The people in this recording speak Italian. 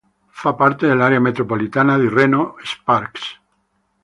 Fa parte dell'area metropolitana di Reno-Sparks.